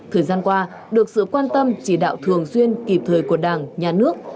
thời gian qua được sự quan tâm chỉ đạo thường xuyên kịp thời của đảng nhà nước